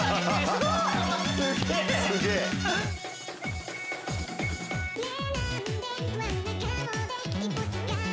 すごいね！